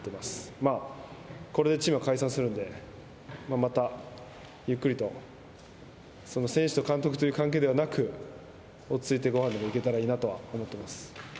まあ、これでチームは解散するんで、またゆっくりと、その選手と監督という関係ではなく、落ち着いてごはんでも行けたらいいなと思っています。